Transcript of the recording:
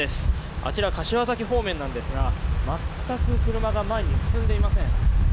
あちら、柏崎方面なんですが全く車が前に進んでいません。